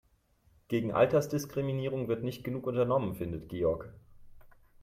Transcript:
Gegen Altersdiskriminierung wird nicht genug unternommen, findet Georg.